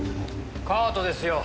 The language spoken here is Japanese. カートですよ。